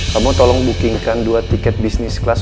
kamu tolong bookingkan dua tiket bisnis kelas